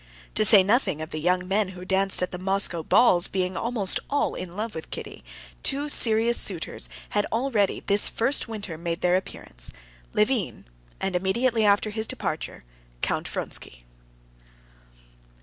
To say nothing of the young men who danced at the Moscow balls being almost all in love with Kitty, two serious suitors had already this first winter made their appearance: Levin, and immediately after his departure, Count Vronsky.